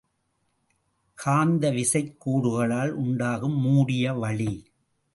காந்த விசைக் கோடுகளால் உண்டாக்கும் மூடிய வழி.